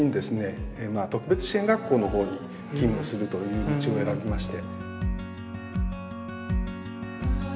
特別支援学校の方に勤務するという道を選びまして。